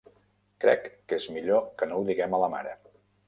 Crec que és millor que no ho diguem a la mare.